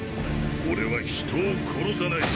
俺は人を殺さない。